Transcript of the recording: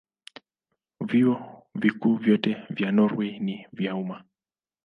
Vyuo Vikuu vyote vya Norwei ni vya umma.